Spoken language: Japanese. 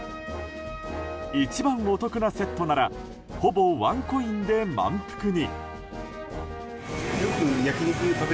一番お得なセットならほぼワンコインで満腹に。